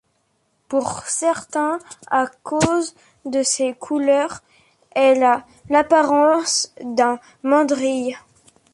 Pour certains, à cause de ses couleurs, elle a l'apparence d'un mandrill.